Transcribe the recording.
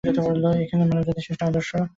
এখানেই মানবজাতির শ্রেষ্ঠ আদর্শগুলি বিদ্যমান।